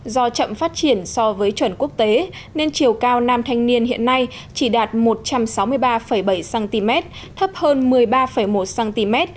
do chậm phát triển so với chuẩn quốc tế nên chiều cao nam thanh niên hiện nay chỉ đạt một trăm sáu mươi ba bảy cm thấp hơn một mươi ba một cm